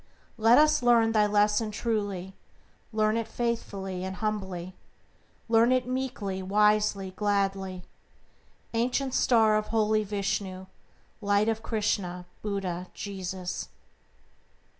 Let us learn thy lesson truly; Learn it faithfully and humbly; Learn it meekly, wisely, gladly, Ancient Star of holy Vishnu, Light of Krishna, Buddha, Jesus.